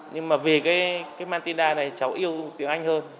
nhưng mà vì cái matinda này cháu yêu tiếng anh hơn